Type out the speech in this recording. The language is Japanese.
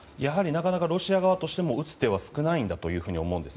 ロシア側としても打つ手は少ないんだと思います。